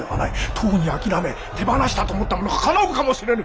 とうにあきらめ手放したと思ったものがかなうかもしれぬ。